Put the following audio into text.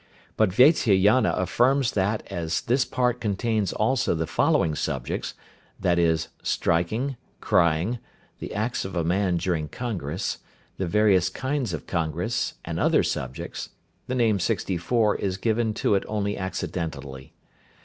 But Vatsyayana affirms that as this part contains also the following subjects, viz., striking, crying, the acts of a man during congress, the various kinds of congress, and other subjects, the name "sixty four" is given to it only accidentally.